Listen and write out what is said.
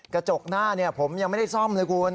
กระจกหน้าผมยังไม่ได้ซ่อมเลยคุณ